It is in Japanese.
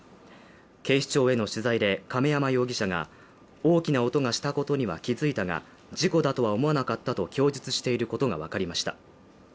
警視庁への取材で亀山容疑者が大きな音がしたことには気づいたが、事故だとは思わなかったと供述していることがわかりました。